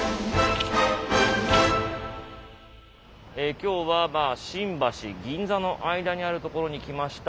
今日は新橋銀座の間にあるところに来ました。